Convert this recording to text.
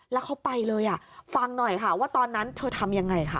แล้วเขาไปเลยอ่ะฟังหน่อยค่ะว่าตอนนั้นเธอทำยังไงค่ะ